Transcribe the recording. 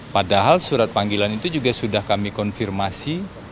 padahal surat panggilan itu juga sudah kami konfirmasi